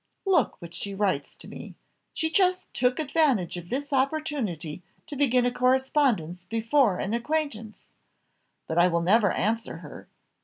Look what she writes to me. She just took advantage of this opportunity to begin a correspondence before an acquaintance: but I will never answer her.